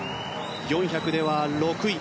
４００では６位。